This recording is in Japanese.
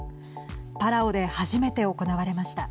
パラオで初めて行われました。